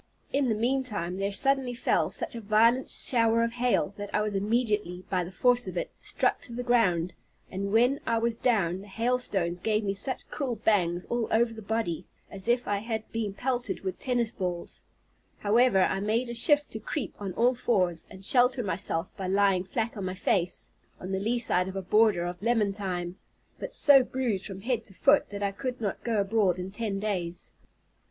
In the meantime, there suddenly fell such a violent shower of hail, that I was immediately, by the force of it, struck to the ground; and when I was down, the hailstones gave me such cruel bangs all over the body, as if I had been pelted with tennis balls; however, I made a shift to creep on all fours, and shelter myself, by lying flat on my face, on the lee side of a border of lemon thyme; but so bruised from head to foot, that I could not go abroad in ten days.